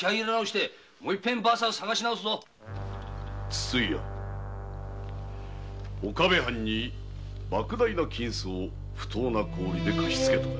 筒井屋岡部藩にばく大な金子を不当な高利で貸し付けたな？